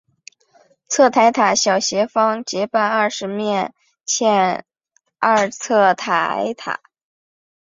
侧台塔小斜方截半二十面体欠二侧台塔。